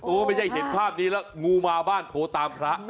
ไม่ใช่เห็นภาพนี้แล้วงูมาบ้านโทรตามพระ